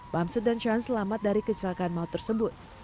bamsud dan shan selamat dari kecelakaan maut tersebut